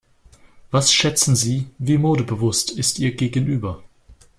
Was schätzen Sie, wie modebewusst ist Ihr Gegenüber?